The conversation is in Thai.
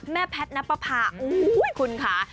แม่แพทนัปพระ